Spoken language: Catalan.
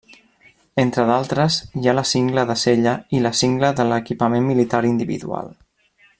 Entre d'altres, hi ha la cingla de sella i la cingla de l'equipament militar individual.